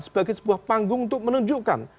sebagai sebuah panggung untuk menunjukkan